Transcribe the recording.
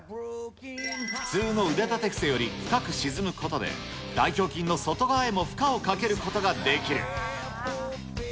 普通の腕立て伏せより深く沈むことで、大胸筋の外側へも負荷をかけることができる。